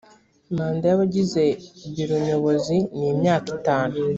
manda y abagize biro nyobozi ni imyaka itanu